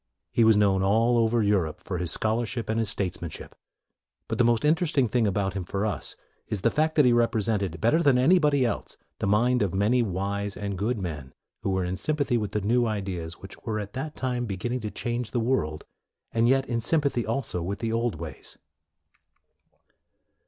He was known all over Europe for his scholarship and his statesmanship. But the most in teresting thing about him for us is the fact that he represented, better than any body else, the mind of many wise and good men who were in sympathy with the new ideas which were at that time beginning to change the world, and yet in sympathy also with the old ways.